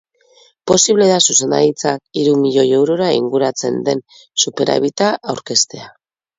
Posible da zuzendaritzak hiru milioi eurora inguratzen den superabita aurkeztea.